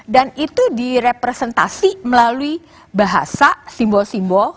dan itu direpresentasi melalui bahasa simbol simbol